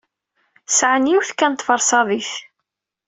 Sɛan yiwet kan n tferṣadit.